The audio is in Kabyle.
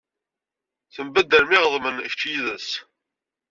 Tembaddalem iɣeḍmen kecc yid-s.